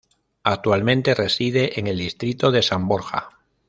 Actualmente reside en el distrito de San Borja.